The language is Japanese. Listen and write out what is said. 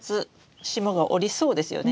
霜が降りそうですよね。